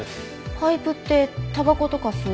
パイプってタバコとか吸う？